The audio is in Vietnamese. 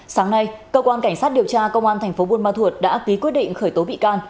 sáng nay cơ quan cảnh sát điều tra công an tp bun ma thuột đã ký quyết định khởi tố bị can